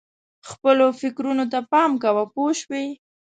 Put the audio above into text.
خپلو فکرونو ته پام کوه پوه شوې!.